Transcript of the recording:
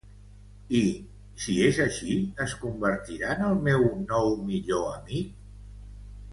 I, si és així, es convertirà en el meu nou millor amic?